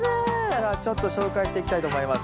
さあちょっと紹介していきたいと思います。